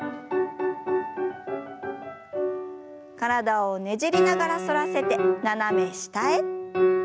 体をねじりながら反らせて斜め下へ。